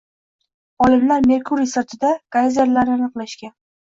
Olimlar Merkuriy sirtida geyzerlarni aniqlashgan.